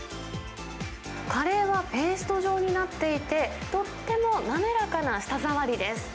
カレーはペースト状になっていて、とっても滑らかな舌触りです。